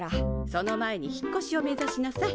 その前に引っこしを目ざしなさい。